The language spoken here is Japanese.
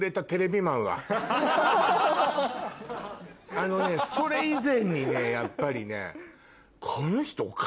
あのねそれ以前にやっぱりね。